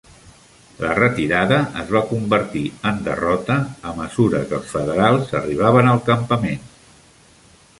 La retirada es va convertir en derrota a mesura que els federals arribaven al campament.